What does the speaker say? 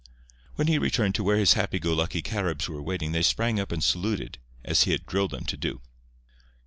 When he returned to where his happy go lucky Caribs were waiting they sprang up and saluted, as he had drilled them to do.